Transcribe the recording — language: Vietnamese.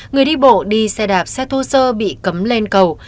người đi bộ đi xe đạp xe thô sơ bị cấm lên cầu